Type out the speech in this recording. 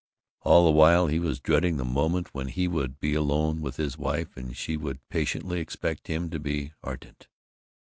All the while he was dreading the moment when he would be alone with his wife and she would patiently expect him to be ardent.